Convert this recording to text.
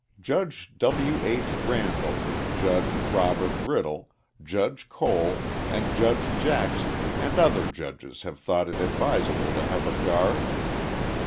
Judge W. H. Randall, Judge Robert Riddle, Judge Cole and Judge Jackson and other judges have thought it advisable to have a guard.